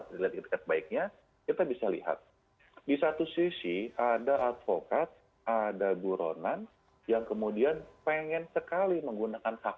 tidak terlihat baiknya kita bisa lihat di satu sisi ada advokat ada buronan yang kemudian pengen